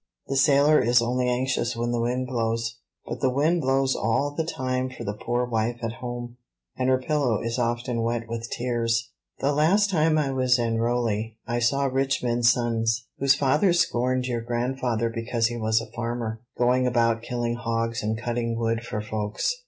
The sailor is only anxious when the wind blows; but the wind blows all the time for the poor wife at home, and her pillow is often wet with tears. "The last time I was in Rowley, I saw rich men's sons; whose fathers scorned your grandfather because he was a farmer, going about killing hogs and cutting wood for folks.